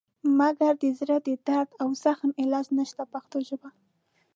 مګر د زړه د درد او زخم علاج نشته په پښتو ژبه.